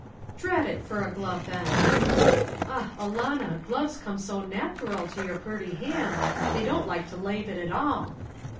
"Drat it for a glove, then!" "Ah, alanna, gloves come so nathural to your purty hand, they don't like to lave it at all."